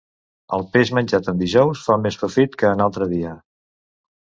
El peix menjat en dijous fa més profit que en altre dia.